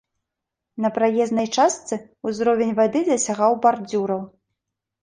На праезнай частцы ўзровень вады дасягаў бардзюраў.